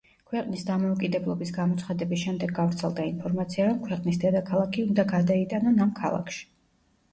ქვეყნის დამოუკიდებლობის გამოცხადების შემდეგ გავრცელდა ინფორმაცია, რომ ქვეყნის დედაქალაქი უნდა გადაიტანონ ამ ქალაქში.